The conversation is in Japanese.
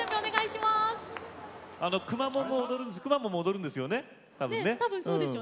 くまモンも踊るんですよね。